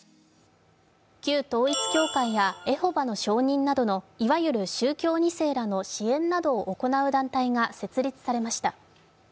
旧統一教会やエホバの証人などのいわゆる宗教２世らの支援などを行う団体が設立されました。